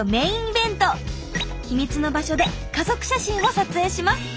秘密の場所で家族写真を撮影します。